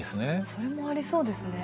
それもありそうですね。